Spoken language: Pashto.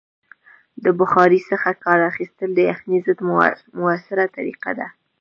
د بخارۍ څخه کار اخیستل د یخنۍ ضد مؤثره طریقه ده.